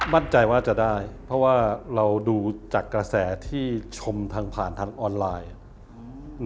มั่นใจว่าจะได้เพราะว่าเราดูจากกระแสที่ชมทางผ่านทางออนไลน์